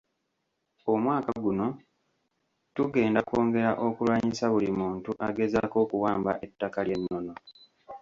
Omwaka guno tugenda kwongera okulwanyisa buli muntu agezaako okuwamba ettaka ly’ennono.